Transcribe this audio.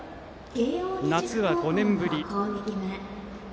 夏は５年ぶり。